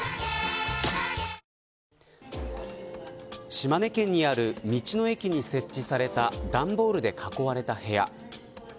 島根県にある道の駅に設置された段ボールで囲われた部屋。